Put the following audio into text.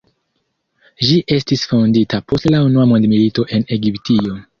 Ĝi estis fondita post la unua mondmilito en Egiptio.